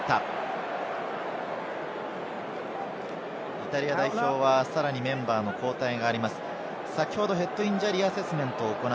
イタリア代表はメンバーの交代があります。